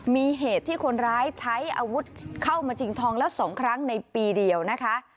มีเหตุที่คนร้ายใช้อาวุธเข้ามาชิงทองแล้ว๒ครั้งในปีเดียวนะคะ